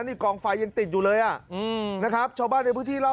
นี่กองไฟยังติดอยู่เลยอ่ะอืมนะครับชาวบ้านในพื้นที่เล่า